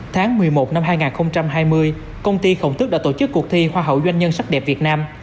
tháng một mươi một năm hai nghìn hai mươi công ty khổng tức đã tổ chức cuộc thi hoa hậu doanh nhân sắc đẹp việt nam